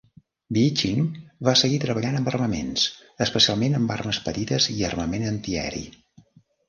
Beeching va seguir treballant amb armaments, especialment amb armes petites i armament antiaeri.